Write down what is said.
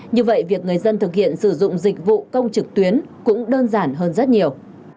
như vậy việc người dân thực hiện sử dụng dịch vụ công trực tuyến cũng đơn giản hơn rất nhiều